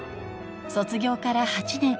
［卒業から８年］